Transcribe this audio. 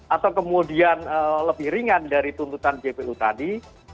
atau kemudian lebih ringan dari tuntutan jpu tadi